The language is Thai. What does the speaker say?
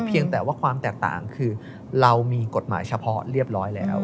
เพียงแต่ว่าความแตกต่างคือเรามีกฎหมายเฉพาะเรียบร้อยแล้ว